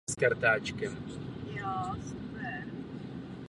Vody kolem parku jsou jedny z nejbohatších rybářských vod v západní Africe.